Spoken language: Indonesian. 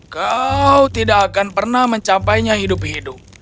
kau tidak akan pernah mencapainya hidup hidup